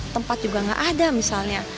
tempat juga nggak ada misalnya